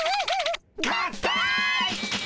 合体！